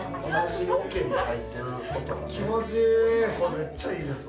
めっちゃいいわ。